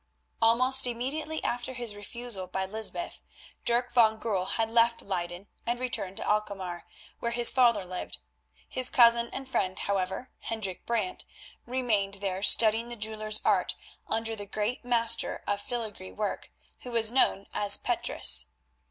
Almost immediately after his refusal by Lysbeth, Dirk van Goorl had left Leyden, and returned to Alkmaar, where his father lived. His cousin and friend, however, Hendrik Brant, remained there studying the jeweller's art under the great master of filigree work, who was known as Petrus.